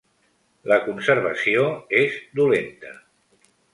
La conservació és dolenta.